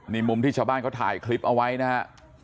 นี่มุมที่ชาวบ้านเขาถ่ายคลิปเอาไว้นะฮะ